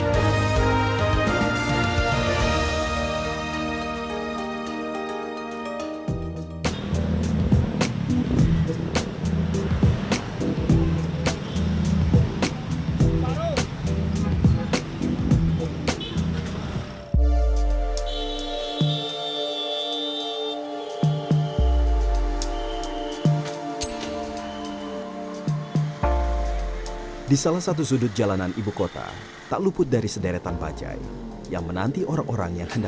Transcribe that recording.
kisah kisah yang terbaik di jakarta